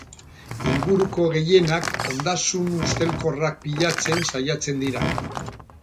Inguruko gehienak ondasun ustelkorrak pilatzen saiatzen dira.